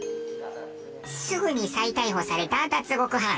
すぐに再逮捕された脱獄犯。